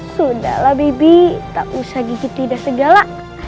sudahlah bibi tak usah gigi tidak segala